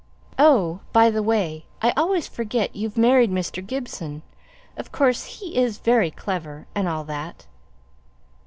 Oh, by the way, I always forget you've married Mr. Gibson of course he is very clever, and all that.